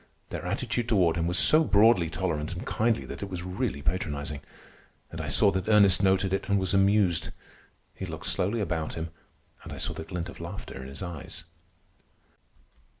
Their attitude toward him was so broadly tolerant and kindly that it was really patronizing. And I saw that Ernest noted it and was amused. He looked slowly about him, and I saw the glint of laughter in his eyes.